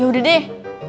ya udah deh